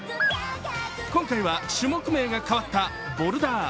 今回は種目名が変わったボルダー。